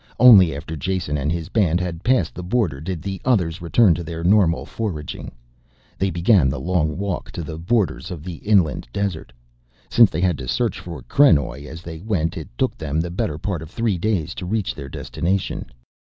Only after Jason and his band had passed the border did the others return to their normal foraging. Then began the long walk to the borders of the inland desert. Since they had to search for krenoj as they went it took them the better part of three days to reach their destination.